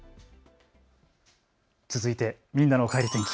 続いてみんなのおかえり天気。